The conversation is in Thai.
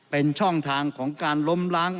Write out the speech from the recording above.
เป็นช่องทางของการล้มล้าง